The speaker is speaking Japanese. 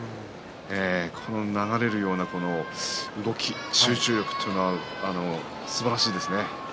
流れるような動き、集中力すばらしいですね。